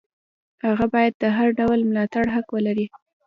هغه باید د هر ډول ملاتړ حق ولري.